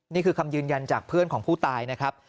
นี้คุณคำยืนยันจากเพื่อนของผู้ตาย